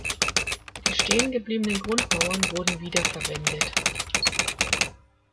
Die stehengebliebenen Grundmauern wurden wieder verwendet.